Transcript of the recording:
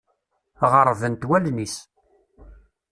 Ɣeṛṛbent wallen-is.